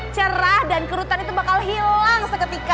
cerah dan kerutan itu bakal hilang seketika